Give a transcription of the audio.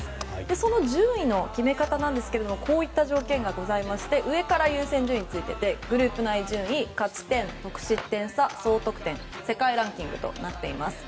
その順位の決め方なんですがこういった条件がございまして上から優先順位でグループ内順位、勝ち点得失点差、総得点世界ランキングとなっています。